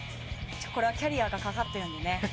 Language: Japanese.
これはキャリアがかかってるので。